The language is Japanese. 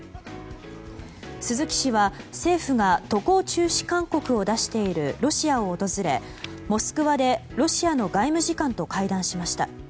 鈴木氏は、政府が渡航中止勧告を出しているロシアを訪れ、モスクワでロシアの外務次官と会談しました。